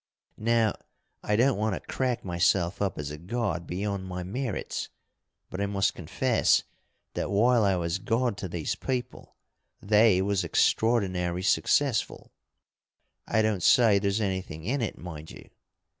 "Now, I don't want to crack myself up as a god beyond my merits, but I must confess that while I was god to these people they was extraordinary successful. I don't say there's anything in it, mind you.